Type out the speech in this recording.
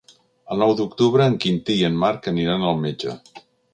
El nou d'octubre en Quintí i en Marc aniran al metge.